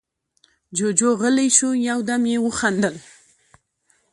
جُوجُو غلی شو، يو دم يې وخندل: